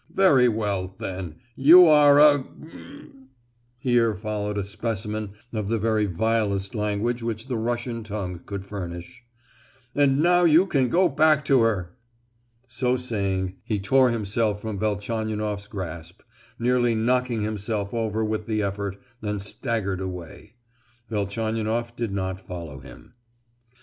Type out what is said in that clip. "Very well, then, you are a——!" (here followed a specimen of the very vilest language which the Russian tongue could furnish); "and now you can go back to her!" So saying he tore himself from Velchaninoff's grasp, nearly knocking himself over with the effort, and staggered away. Velchaninoff did not follow him.